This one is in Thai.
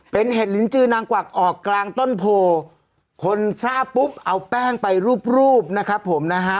เป็นเห็ดลินจือนางกวักออกกลางต้นโพคนทราบปุ๊บเอาแป้งไปรูปรูปนะครับผมนะฮะ